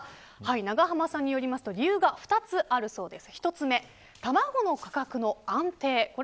永濱さんによりますと理由が２つあるそうです。